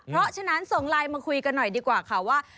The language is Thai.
เพราะฉะนั้นส่งไลน์มาคุยกันหน่อยดีกว่าค่ะว่า